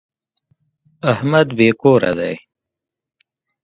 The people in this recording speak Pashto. احمد بې کوره دی.